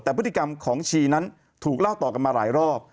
แต่พฤติกรรมของชีนั้นถูกเล่าต่อกันมาหลายรอบ